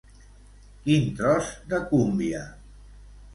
Quin tros de cúmbia.